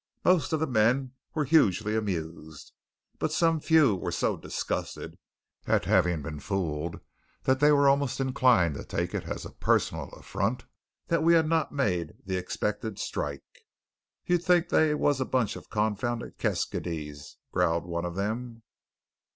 Most of the men were hugely amused; but some few were so disgusted at having been fooled that they were almost inclined to take it as a personal affront that we had not made the expected "strike." "You'd think they was a bunch of confounded Keskydees," growled one of them.